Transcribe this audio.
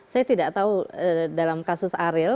saya tidak tahu dalam kasus ariel